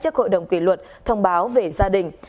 trước hội đồng kỷ luật thông báo về gia đình